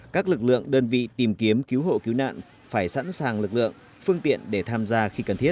các lực lượng đơn vị tìm kiếm cứu hộ cứu nạn phải sẵn sàng lực lượng phương tiện để tham gia khi cần thiết